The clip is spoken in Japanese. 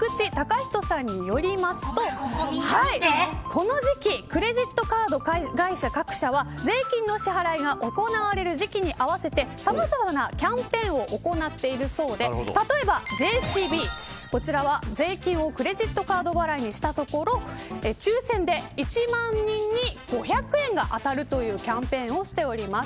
この時期クレジットカード会社各社は税金の支払いが行われる時期に合わせてさまざまなキャンペーンを行っているそうで例えばＪＣＢ税金をクレジットカード払いにしたところ抽選で１万人に５００円が当たるというキャンペーンをしております。